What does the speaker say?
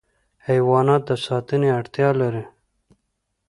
حیوانات د ساتنې اړتیا لري.